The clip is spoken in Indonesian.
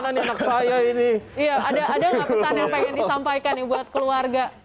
iya ada nggak pesan yang pengen disampaikan buat keluarga